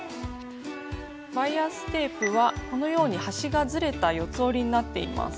バイアステープはこのように端がずれた四つ折りになっています。